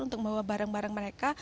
untuk membawa barang barang mereka